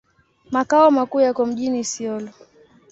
Makao makuu yako mjini Isiolo.